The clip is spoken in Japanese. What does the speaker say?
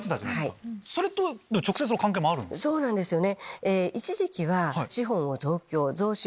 そうなんですよね。